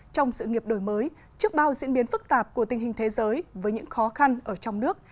trong sự nghiệp đổi mới trước bao diễn biến phức tạp của tình hình thế giới với những khó khăn ở trong nước